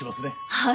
はい。